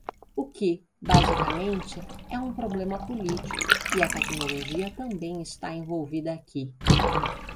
O que, basicamente, é um problema político, e a tecnologia também está envolvida aqui.